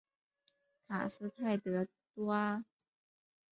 卡斯泰德多阿。